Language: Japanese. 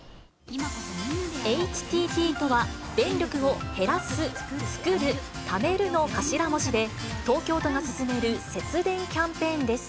ＨＴＴとは、電力を減らす・創る・ためるの頭文字で、東京都が進める節電キャンペーンです。